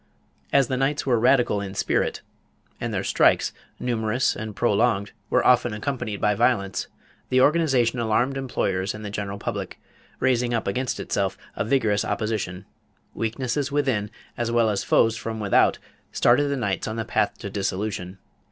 As the Knights were radical in spirit and their strikes, numerous and prolonged, were often accompanied by violence, the organization alarmed employers and the general public, raising up against itself a vigorous opposition. Weaknesses within, as well as foes from without, started the Knights on the path to dissolution.